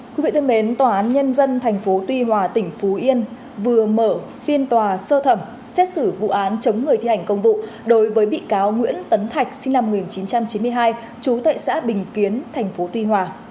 quý vị thân mến tòa án nhân dân tp tuy hòa tỉnh phú yên vừa mở phiên tòa sơ thẩm xét xử vụ án chống người thi hành công vụ đối với bị cáo nguyễn tấn thạch sinh năm một nghìn chín trăm chín mươi hai trú tại xã bình kiến tp tuy hòa